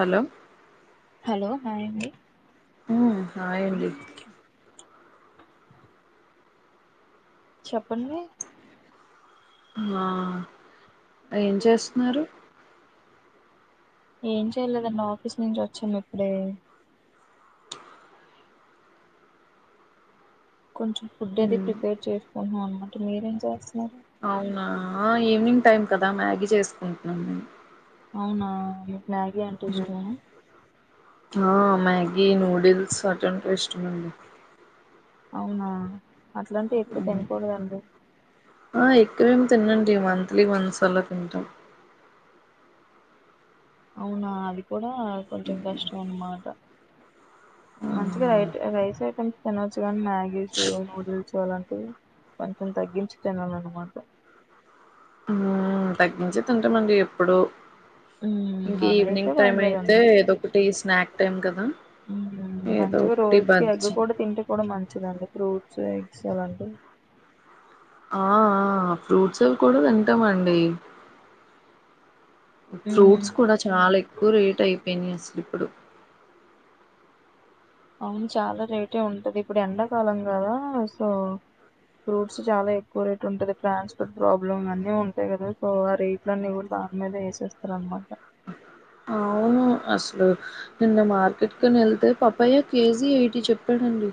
Hello hello hi అండి హుమ్ hi అండి చెప్పండి ఆ ఏం చేస్తున్నారు ఏం చేయలేదండి ఆఫీస్ నుంచి వచ్చను ఇప్పుడే కొంచెం ఫుడ్ అది ఉమ్ ప్రిపేర్ చేసుకుంటున్నాం అన్న మా మీరేం చేస్తున్నారు అవునా ఈవినింగ్ టైమ్ కదా మ్యాగీ చేసుకుంటున్నా నేను అవునా మ్యాగీ అంటే ఇష్టమా ఆ మ్యాగీ నూడిల్స్ అటుంటే ఇష్టమండి అవునా అట్లాంటిే ఎక్కువ ఉమ్ తినకూడదండి ఆ ఎక్కువేమి తిినండి మంత్లీ వన్స్ అలా తింటం అవునా అది కూడా ఆ కొంచెం కష్టం అన్న మాట మంచిగా రైట్ రై సేక తినొచ్చు కానీ మ్యాగీస్ నూడిల్స్ అలాంటివి కొంచెం తగ్గించి తినాలన్నమాట ఉమ్ తగ్గించే తింటామండి ఎప్పుడు ఇంక అన అయితే ఈవినింగ్ టైం అయితే బగలేదండి ఏదో ఒకటి స్నాక్ టైం కదా ఏదో మంచిగా ఒకటి రోజుకి ఎగ్గు బజ్జి కూడా తింటే కూడా మంచిదండి ఫ్రూట్స్ ఎగ్స్ ఎలాంటివి ఆ ఆ ఫ్రూట్స్ ఇవి కూడా తింటాం అండి ఫ్రూట్స్ కూడా చాలా ఎక్కువ రేట్ అయిపోయినాయి అసలు ఇప్పుడు అవును చాలా రేటే ఉంటది ఇప్పుడు ఎండాకాలం కదా సో ఫ్రూట్స్ చాలా ఎక్కువ రేట్ ఉంటది ట్రాన్స్పోర్ట్ ప్రాబ్లమ్ అన్ని ఉంటాయి కదా సో ఆ రేట్లన్నీ కూడా దాని మీద వేసేస్తారు అనమాట ఆవును అసలు నిన్న మార్కెట్ కని వెళ్తే పప్పయ్య కేజీ ఎయిటీ చెప్ పఢడి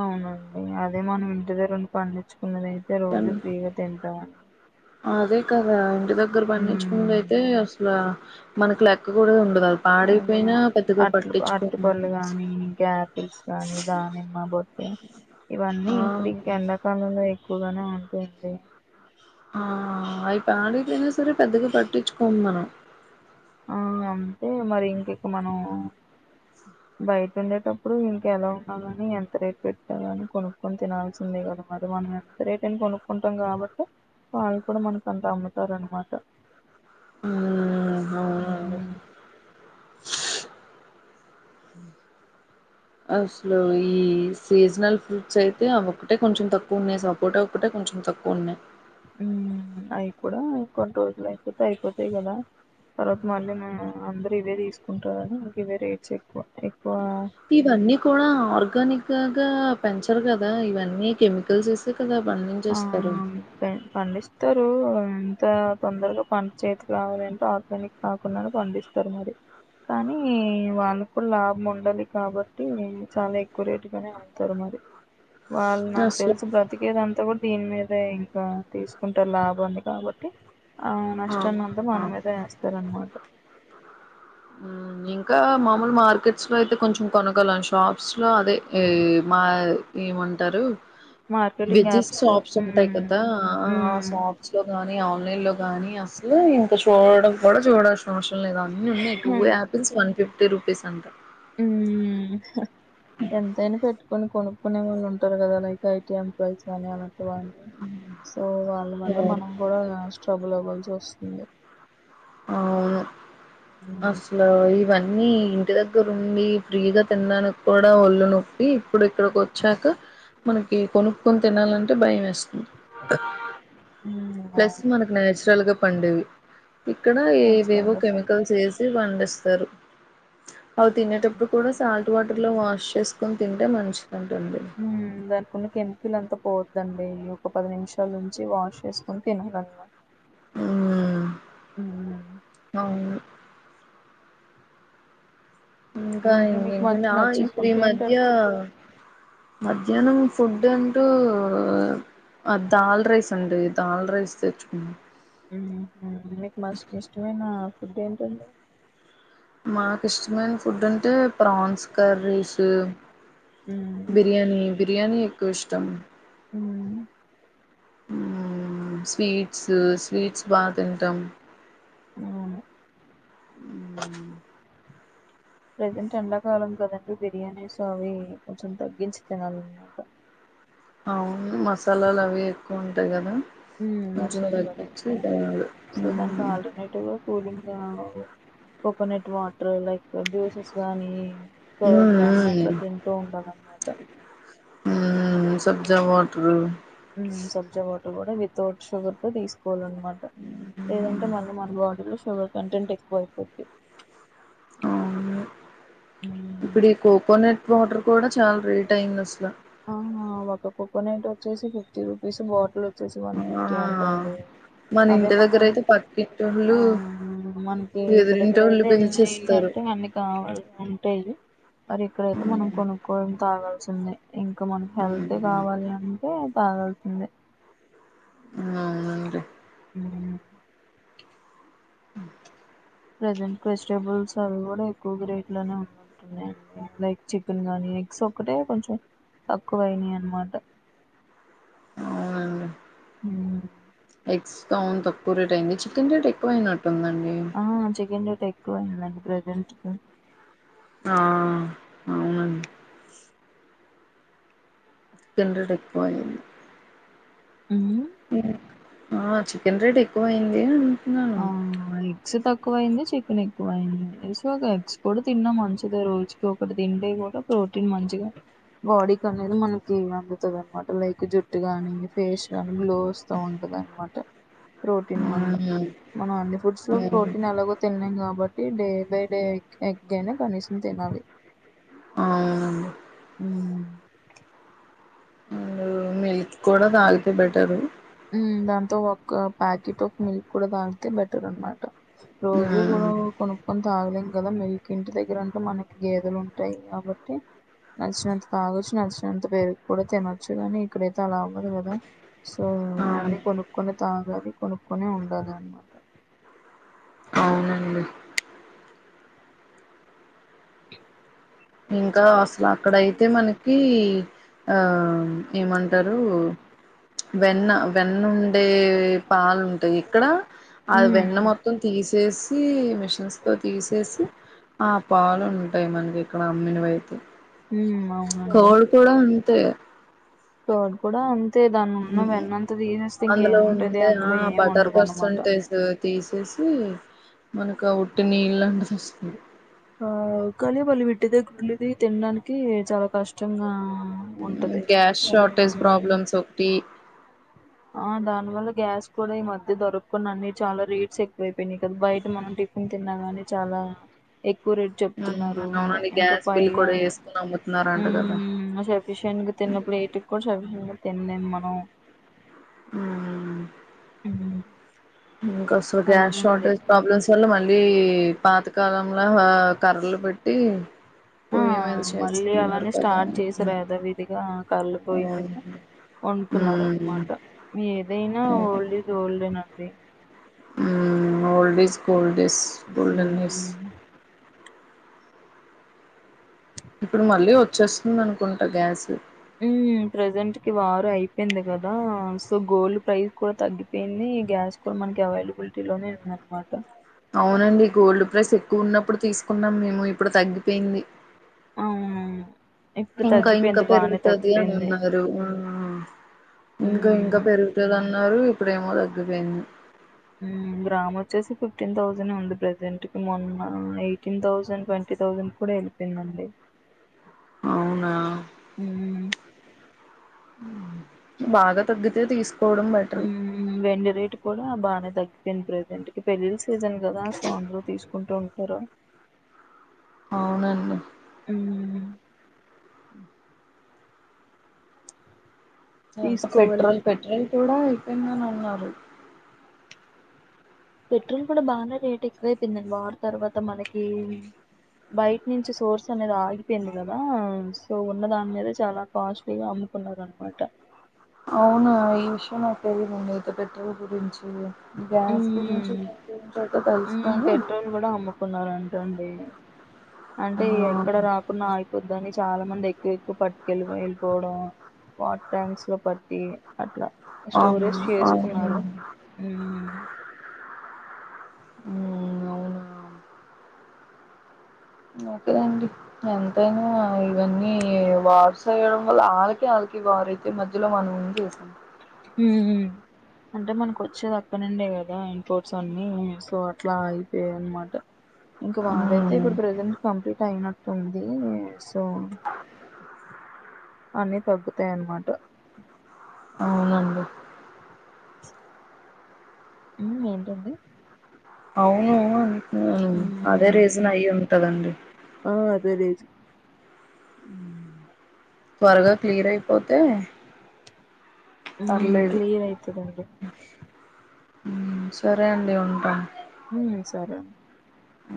అవునండి అదే మనం ఇంటి దగ్రని పండించ కున్నదయితే రోజు కానీ ఫ్రీగా తింటాంండి అదే కదే ఇంటి దగ్గర పండించుకుంద ఉమ్ అయితే అసలు మనకు లెక్క కూడా ఉంది అదే అట్లు అట్టుపళ్ళు గాని గ్యాపిల్స్ కాని దానిమ్మ బొట్ట ఇవన్నీ ఆ ఇప్పుడుం ఎండాకాలంలో ఎక్కువగానే ఉంటాడి ఆ అయి పాడపోయినా సరే పెద్దగా పట్టించుకోము మనం ఆ అంతే మరి ఇంక ఇక మనం బయట ఉండేటప్పుడు ఇంకెలా ఉండాలని ఎంత రేట్ పెట్టాలని కొనుక్కొని తినాల్సిందే కదా మరి మనం ఎంత రేట్ అని కొనుక్కుంటాం కాబట్టి వాళ్ళు కూడా మనక అంత అమ్ముతారు అనమాట ఉ మ అస్లోయిస్ సీజనల్ ఫ్రూట్స్ అయితే అ ఒకక్కటే కొంచెం తక్కువ ఉన్నాయి సపోటా ఒకటే కొంచెం తక్కువ ఉన్నాయి అవి కూడా కొన్ని రోజులు అయిపోతే అయిపోతాయి కదా తర్వాత మళ్ళీ అందరుూ ఇవే తీసుకుంటారుని మకు ఇవే రేట్స్ ఎక్కువ ఎక్కువ ఇవన్నీ కూడాడా ఆర్గనిక్గా పెంచరు కదా ఇవన్నీ కెమికల్స్ వే కదా పండించేస్తారు ఇతరు ఎంత తొందరగా పంట చేతి కావాలింటే ఆర్గానిక్ కాకుండానే పండిస్తారు మరి కానీ వాళ్ళకి కూడా లాభం ఉండాలి కాబట్టి చాలా ఎక్కువరేట్గానే అతారు మరి వాళ్ళు నాకు అసలు తెలుసు బ్రతికేదంత దీని మీదే ఇంకా తీసుకుంటారు లాభాన్ని కాబట్టి ఆ నష్టాన్నంతా అవునా! మన మీద వేస్తారనమాట ఇంకా మామూలు మార్కెట్స్ లో అయితే కొంచెం కొనగలం షాప్స్ లో అదే మా ఏమంటారు మార్కెటింగ్ వెజెస్ యాప్స్ సాప్స్ ఉంటాయి మ్మ్ కదా ఆ మ్మ్ సాప్స్ లో కాగాని ఆన్లైన్ లో కాగానీ అసలు ఇంత చూడడం కూడా చూడవచ్చు సమస్యలు లేదా అన్ని ఉన్నాయి two apples one fifty rupee సంత ఉ ఎంతైనా పెట్ కొన్ని కొనుక్కునే వాళ్ళు ఉంటారు కదా. లై ఐటీ ఎంప్లాయస్గానీ అ సో వాళ్ళ వల్ల మనం కూడా స్ట్రబుల్ అవ్వల్ వస్తుంది అవును. అసలు ఇవన్నీ. ఇంటి దగ్గరు ఉండి. ఫ్రీగా తినడానికి కూడా ఒళ్ళు నొప్పి. ఇప్పుడు ఇక్కడికి వచ్చాక. మనకి కొనుక్కొని తినాలంటే భయం వేస్త ప్లస్ మనకు నాచురల్గా. పండువి. ఇక్కడ ఏ వేవో న్యాచురల్గా కెమి పండు పండిస్తారు. అవి తినేటప్పుడు కూడా సాల్ట్ వాటర్ ఇంట్లో వాష్ చేసుకుని తింటే మంచిగా ఉంటుంది. దండి ఒక పది నిమిషాలు ఉంచి వాష్ చేసుకుని తినాలన్నమా. హు మ్మ్ అవును. ఇంకా ఇప్పుడు ఇంక మీకు మ ఇంకంటే ఆ నచ్చిన ఇప్పుడు ఫుడ్ మధ్య ఏంటండి మధ్యాహ్నం ఫుడ్ అంటూ దాల్ రైస్ అండి. దాల్ రైస్ తెచ్చుకున్నాం. హు మస్ ఇష్టమైనా. ఫుడ్ ఏంటండీ. [inaudible] ఇష్టమైన ఫుడ్ అంటే ప్రాన్స్ కర్రీస్, హ్మ్. బిర్యానీ. బిర్యానీ ఎక్కువ ఇష్టం. హ్మ్. హు స్వీట్స్. స్వీట్స్ బాగా తింటాం. అవును. ప్రజెంట్ ఎండాకాలం కాదండి. బిర్యానీస్ అవి కొంచెం తగ్గించి తినాలన్నమాట. అవును. మసాలాలు అవి ఎక్కువ ఉంటాయి. కదా ఉ కొంచెం అసలు అవి తగ్గించి ఎక్కువ ఉంటాయి. తినాలి సో దానికి మ్మ్. Alternative cool drink coconut water like juices గాని. కర్డ్ గాని అట్లా మ్మ్. తింటూ ఉంటాననమాట. హ్మ్ సబ్జా వాటరు. హ్మ్ సబ్జా వా కూడా వితౌట్ షుగర్ తో తీసు నమాట లేదంటే మన మన బాడీలో సు కంటెంట్ ఎక్కువ అయిపోంది అవును. ఇప్పుడు ఈ కోకోనట్ వాటర్ కూడా చాలా రేట్ అయింది అసల ఫిటీ రుపీస్ బోల్ వచ్చే వన్ ఫిఫ్టీ అంటండి మన అదే ఇంటి దగ్గర మనం అయితే ఆ పక్కింటోళ్ళు మనకి ఇంటి దగ్గర ఎదురింటోళ్ళు అయితే పిలిచిస్తారు ఏందంటే అన్ని కావాలి ఉంటాది మరి ఎక్కడైతే మనం కొనుక్కోవడం తాగ చి ఇంకా మనకి హెల్త్ కావాలి అంటే బాగావుతుంది ఆ అే ఆ ప్రజెంట్ వెజిటబుల్స్ అవి కూడా ఎక్కువగా రేట్ లోనే ఉన్నట్న్నాయండి లైక్ చికెన్ గానీ ఎగ్స్ ఒకటే కొంచెం తక్కువయినాయి అనమాట అవుండి అ తవునుంత పూరేట అయింది చికెన్ రేట్ ఎక్కువయినట్టుందండి ఆ చికెన్ రేట్ ఎక్కువయిందండి ప్రజెంట్ ఆ అవున డిడపోయి హ ఆ చికెన్ రేట్ ఎక్కువ అయింది అంటున్నాను ఆ ఎగ్స్ తక్కువయింది చె పక్క ఎక్కువ అయింది సో ఒక ఎగ్స్ కూడా తిన్నా మంచిది రోజుకి ఒకటి తింటే కూడా ప్రోటీన్ మంచిగా, బాడీ క అనేది మనకి అందుతుంది అనమాట, లైక్ జుట్టు గాని ఫేస్ గాని లో వస్తూ ఉంటది అనమాట ప్రోటీన్ వళ్ అవును మనం అండీ ఫుడ్స్ లో అవును అవునండి ప్రోటీన్ ఎలాగో తినలేం కాబట్టి డే బై డే ఎగ్ అయినా కనీసం తినాలి ఆవు హ్మ్ మిల్క్ కూడా త బెటర్ మ్ దాంతో ఒక ప్యాకెట్ ఆఫ్ మిల్క్ కూడా తాగితే బెటర్ అనమాట రోజు కూడా ఉమ్ కొనుకొ తాగలేం కదా మిల్క్ ఇంటి దగ్గరంటే మనకి గేదెలు ఉంటాయి కాబట్టి, నచ్చినంత తాగొచ్చు నచ్చినంత పెరుగు కూడా తినొచ్చు కానీ ఇక్కడ స్లావుదు కద అవును అన్ని కొనుకొని తా ఆల్రెడీ కొన్నికొనే ఉండాలి అన్నమాట అవునండి ఇంకా అసల్ అక్కడైతే మనకీ ఆ ఏమంటరూ వెన్న వెన్న ఉండే పాలు ఉంటాయి ఇక్కడ ఆ వెన్న హ్మ్ మొత్తం తీసేసి ఈ మిషన్స్ తో తీసేసి, ఆ పాలు ఉంటాయి మంద అక్కడ అమ్మినావైతె హ్మ్ కాల్ కూడా అంతే తోడు కూడా అంతే దాన్ని ఉన్న వెన్నంతా తీసేస్తే అందులో ఇంకేముంటది ఉండే ఆ అందులో ఏం బటర్ పర్స్ ఉండదనమాట. అంతా తీసేసి మనకు ఆ ఉట్టి నీళ్ల వస్తుంది ఆ కాని వాళ్ళ విట్టి దగ్గర ఉండేవి తినడానికి చాలా కష్టంగా ఉంటది గ్యాస్ షార్ట్ ఏజ్ హ్మ్. ప్రోబ్లెమాస్ ఒకటి ఆ దానివల్ల గ్యాస్ కూడా ఈ మధ్య దొరకుతున్న చాలా రేట్స్ ఎక్కువైపోయినాయి, కదా బయట మనం టిఫిన్ తిన్నాగాని చాలా ఎక్వా ఎక్కువ రేట్లు చెప్తున్నారు అవునండి ఇంకా గ్యాస్ బిల్ పైగా కూడా వేసుకుని అమ్ముతున్నారంట కదా తినలేం మనం ఉఉ హ్మ్. ఇంకా అస్సలు గ్యాస్ అలానే ఉంది షార్టేజ్ ప్రాబ్లమ్స్ వల్ల మళ్ళీ పాతకాలంలా కర్రలు పెట్టి ఆ పొయ్యి మీద మళ్ళీ చేస్తున్నారు అలానే కదా స్టార్ట్ చేసారు హ్మ్. ఏదా విధిగా కర్ల పోయి అవునండి మీద వండుతున్నారు హ్మ్. అనమాట, ఏదయినా old is old hay [unintelligible] hum old is gold as golden days మ్మ్ ఇప్పుడు మళ్ళీ వచ్చేస్తుంది అ కుంట గ్యాస్ హు ప్రజెంట్ కి వార్ అయిపోయింది కదా, సో గోల్డ్ ప్రైస్ కూడా తగ్గిపోయింది గ్యాస్ కూడా మనకి అవైలబిలిటీ లోనే ఉందన్న మాట ఉందన్నమాట అవునండి గోల్డ్ ప్రైస్ ఎక్కువ ఉన్నప్పుడు తీసుకున్నాం మేము, ఇప్పుడు తగ్గిపోయింది అవునవును ఇప్పుడు ఇంక ఇంకా తగ్గిపోయింది బానే పెరుగుతాది అని తగ్గిపోయింది అన్నారు మ్మ్ ఆ ఇప్పుడేమో తగ్గిపోయింది గ్రామ్ వచ్చేసి ఫిఫ్టీన్ థౌసండ్ ఉంది ప్రజెంట్, మొన్న ఎయిటీన్ థౌజండ్, ట్వంటీ థౌజండ్కి కూడా వెళ్ళిపోయింది అండి అవునా [unintelligible] బాగా తగ్గితే తీసు హుమ్ వెండి రేటు కూడా బాగానే తగ్గింది ప్రెజెంట్ పెళ్ళిళ్ళ సీజన్ కదా సో అందరూ తీసుకుంటూ ఉంటారు అవునండి మ్మ్ ఎంత తీసుకోవాలి పెట్రోల్ పెట్రోల్ కూడా అయిపోయ్యినన్నారు పెట్రోల్ కూడా బాగానే రేట్ ఎక్కువైపోయింది వార్ తర్వాత మనకి బయట నుంచి సోర్స్ అనేది ఆగిపోయింది కదా సో ఉన్న దాని మీద చాలా కాస్ట్లీగా అమ్ముకున్నారు అన్నమాట అవును ఈ విషయం నాకు తెలియదండి ఇతే పెట్రోల్ గురించి గ్యాస్ గురించి మ్మ్ [inaudible] అట మ్మ్ తెలుసుకాని పెట్రోల్ కూడా అమ్ముకున్నారంటండి అంటే ఎక్కడ రాకుండా ఆగిపోంద్దని చాలా మంది ఎక్కువై ఇవి పట్టుకెల్లి వెళ్ళిపొవడమే వాటర్ ట్యాంక్స్ లో పట్టి అట్లా అవును స్టోరేజ్ అవును చేసుకున్నారు హ్మ్ ఊ అవునా ఒకే అండి ఎంతైనా ఇవన్నీ వార్స్ అవ్వడం వల్ల ఆళ్లకి ఆళ్ళకి వారైతే మధ్యలో మనం ఏం చేసాం హు ఉ అంటే మనకు వచ్చేది అక్కనుండే కదా ఇంపోర్ట్స్ అన్ని సో అట్లా అయిపోయాయి అన్నమాట ఇంకా వార్ అయితే మ్ ఇప్పుడు ప్రెజెంట్ కంప్లీట్ అయినట్లు ఉంది సో అన్నీ తగ్గుతాయి అన్నమాట అవునండి ఉ ఏంటాండి అవునవును వును అదే ఉమ్, రీజన్ అయ్యి ఉంటదండి ఆ అదే లేదు త్వరగా క్లియర్ అయిపోతే హు పర్లేదు క్లియర్ అయితాది అండి సరే అండి ఉంటా హు సరే ఆ